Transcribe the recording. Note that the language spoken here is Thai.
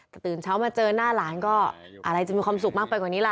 แต่ตื่นเช้ามาเจอหน้าหลานก็อะไรจะมีความสุขมากไปกว่านี้ล่ะ